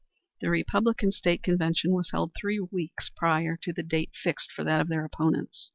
The Republican state convention was held three weeks prior to the date fixed for that of their opponents.